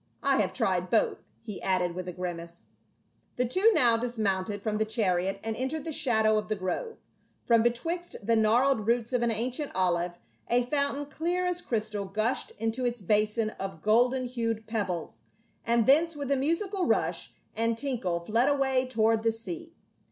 I have tried both," he added with a grimace. The two now dismounted from the chariot and en tered the shadow of the grove. From betwixt the gnarled roots of an ancient olive, a fountain clear as crystal gushed into its basin of golden hued pebbles, and thence with a musical rush and tinkle fled away toward the sea.